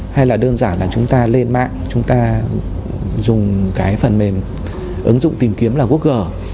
hay là đơn giản là chúng ta lên mạng chúng ta dùng cái phần mềm ứng dụng tìm kiếm là google